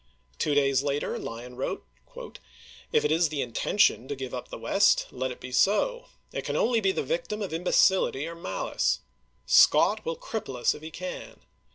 Two days later Lyon wrote: III., p. 395. "If it ig tiie intention to give up the West, let it be so ; it can only be the victim of imbecility or malice. Scott will cripple us if he can.